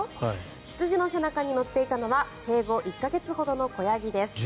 羊の背中に乗っていたのは生後１か月ほどの子ヤギです。